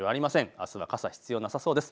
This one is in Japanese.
あすは傘、必要なさそうです。